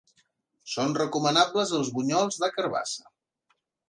Són recomanables els bunyols de carabassa.